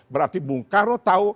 berarti bung kardo